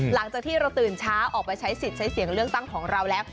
หลังจากที่เราตื่นเช้าออกไปใช้สิทธิ์ใช้เสียงเลือกตั้งของเราแล้ว